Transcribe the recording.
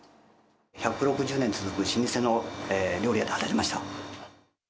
１６０年続く老舗の料理屋で働いてました。